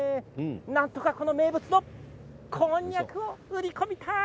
なんとかこの名物をこんにゃくを売り込みたい。